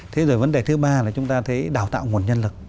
thế rồi vấn đề thứ ba là chúng ta thấy đào tạo nguồn nhân lực